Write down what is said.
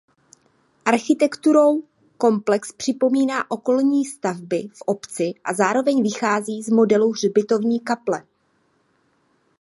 Architekturou komplex připomíná okolní stavby v obci a zároveň vychází z modelu hřbitovní kaple.